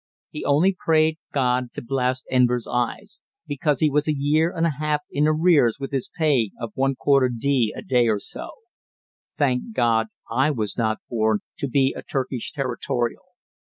He only prayed God to blast Enver's eyes, because he was a year and a half in arrears with his pay of 1/4d. a day or so. Thank God I was not born to be a Turkish territorial.